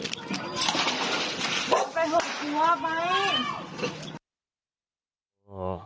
บอสไปห่วงครัวไป